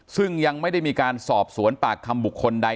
ซึ่งยังไม่ได้มีการสอบสวนปากคำบุคคลใด